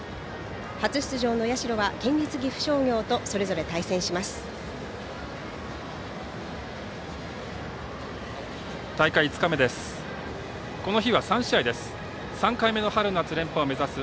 初出場の社は県立岐阜商業とそれぞれ対戦します。